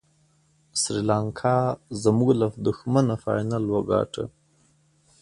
سریلانکا زموږ له دښمنه فاینل وګاټه.